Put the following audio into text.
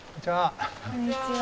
こんにちは。